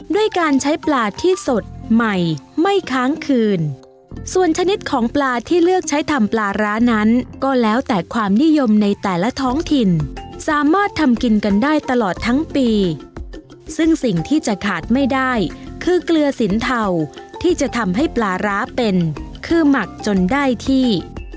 ด้วยการใช้ปลาที่สดใหม่ไม่ค้างคืนส่วนชนิดของปลาที่เลือกใช้ทำปลาร้านั้นก็แล้วแต่ความนิยมในแต่ละท้องถิ่นสามารถทำกินกันได้ตลอดทั้งปีซึ่งสิ่งที่จะขาดไม่ได้คือเกลือสินเทาที่จะทำให้ปลาร้าเป็นคือหมักจนได้ที่